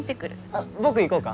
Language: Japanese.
あっ僕行こうか？